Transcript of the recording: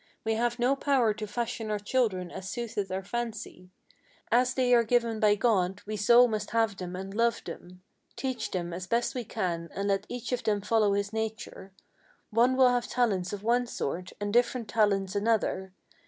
We have no power to fashion our children as suiteth our fancy; As they are given by God, we so must have them and love them; Teach them as best we can, and let each of them follow his nature. One will have talents of one sort, and different talents another.